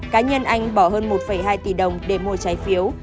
cá nhân anh bỏ hơn một hai tỷ đồng để mua trái phiếu